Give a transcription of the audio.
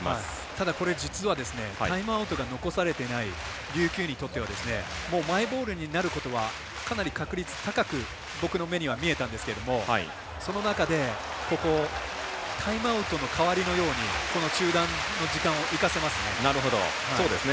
ただ、これ実はタイムアウトが残されていない琉球にとってはマイボールになることはかなり確率高く僕の目には見えたんですがその中で、タイムアウトの代わりのようにこの中断の時間を生かせますね。